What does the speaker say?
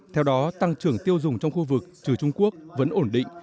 theo đó tăng trưởng tiêu dùng trong khu vực trừ trung quốc vẫn ổn định